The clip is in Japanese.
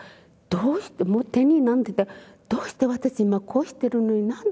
どうしても手に何て言って「どうして私今こうしてるのに何でできないの？